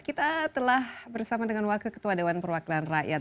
kita telah bersama dengan wakil ketua dewan perwakilan rakyat